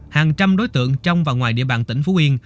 hàng trăm đối tượng trong và ngoài địa bàn tỉnh phú yên